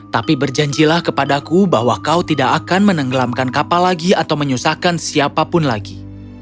tapi berjanjilah kepadaku bahwa kau tidak akan menenggelamkan kapal lagi atau menyusahkan siapapun lagi